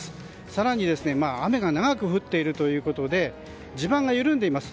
更に、雨が長く降っているということで地盤が緩んでいます。